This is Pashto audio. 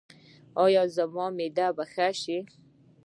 ایا زما معده به ښه شي؟